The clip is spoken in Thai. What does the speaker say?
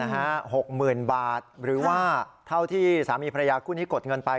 หกหมื่นบาทหรือว่าเท่าที่สามีพระยาคู่นี้กดเงินไป